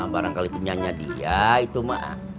barangkali punyanya dia itu mak